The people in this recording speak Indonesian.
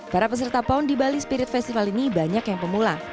para peserta pound di bali spirit festival ini banyak yang pemula